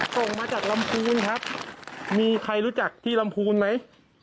ส่งมาจากลำพูนครับมีใครรู้จักที่ลำพูนไหม